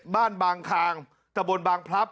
บางคางตะบนบางพลับ